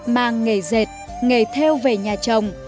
mang nghề rệt nghề theo về nhà chồng